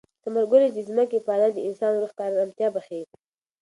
ثمرګل وویل چې د ځمکې پالل د انسان روح ته ارامتیا بښي.